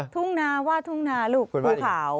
ทุ่งนาว่าทุ่งนาลูกภูเขา